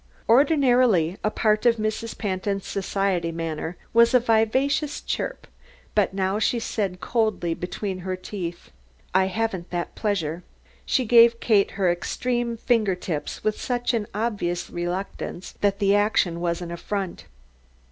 Ordinarily, a part of Mrs. Pantin's society manner was a vivacious chirp, but now she said coldly between her teeth: "I haven't that pleasure." She gave Kate her extreme finger tips with such obvious reluctance that the action was an affront.